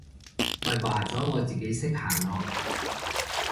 咪話咗我自己識行囉！